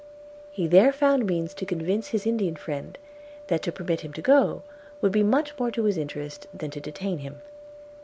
– He there found means to convince his Indian friend, that to permit him to go would be much more to his interest than to detain him.